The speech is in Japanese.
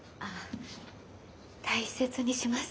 大切にします。